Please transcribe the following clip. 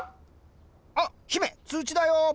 あっ姫通知だよ。